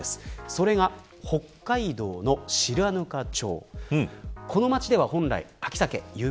それが北海道の白糠町。